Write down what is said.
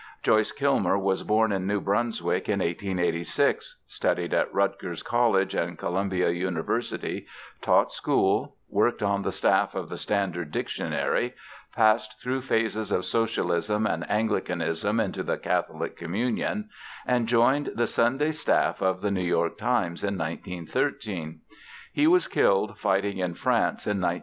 Joyce Kilmer was born in New Brunswick in 1886; studied at Rutgers College and Columbia University; taught school; worked on the staff of the Standard Dictionary; passed through phases of socialism and Anglicanism into the Catholic communion, and joined the Sunday staff of the New York Times in 1913. He was killed fighting in France in 1918.